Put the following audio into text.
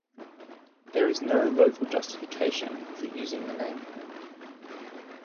There is also no local justification for using the name.